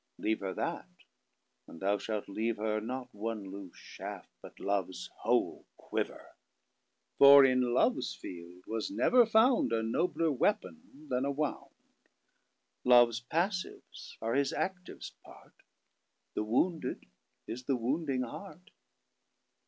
Leave her that; and thou shalt leave herNot one loose shaft but love's whole quiver. For in love's feild was never foundA nobler weapon then a Wound.Love's passives are his activ'st part. The wounded is the wounding heart.